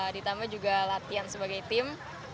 ditambah juga latihan sebagai tim